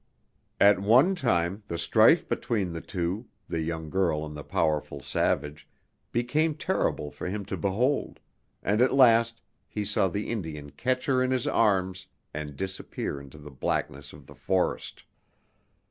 At one time the strife between the two the young girl and the powerful savage became terrible for him to behold, and at last he saw the Indian catch her in his arms and disappear into the blackness of the forest.